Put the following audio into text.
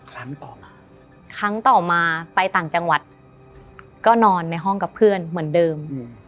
ครั้งต่อมาครั้งต่อมาไปต่างจังหวัดก็นอนในห้องกับเพื่อนเหมือนเดิม